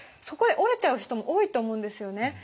そこで折れちゃう人も多いと思うんですよね。